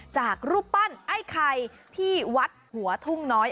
จากรูปปั้นไอ้ไข่ที่วัดหัวทุ่งน้อย